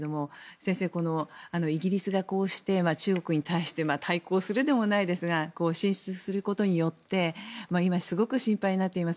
先生、イギリスがこうして中国に対して対抗するでもないですが進出することによって今、すごく心配になっています